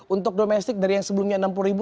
untuk domestik dari yang sebelumnya enam puluh